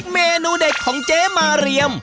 เมนูเด็ดของเจ๊มาเรียม